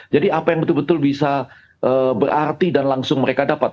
jadi apa yang betul betul bisa berarti dan langsung mereka dapat